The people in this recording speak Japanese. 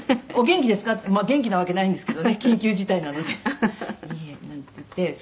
“お元気ですか？”って元気なわけないんですけどね緊急事態なので」